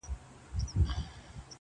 سبا به نه وي لکه نه وو زېږېدلی چنار٫